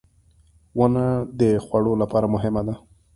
• ونه د خوړو لپاره مهمه ده.